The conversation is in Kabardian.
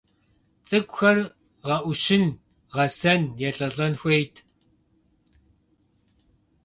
Цӏыкӏухэр гъэӀущын, гъэсэн, елӀэлӀэн хуейт.